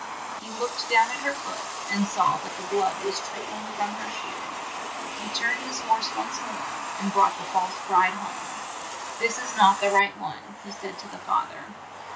He looked down at her foot, and saw that the blood was trick ling from her shoe. He turned his horse once more, and brought the false bride home. '' This is not the right one," he said to the fath er.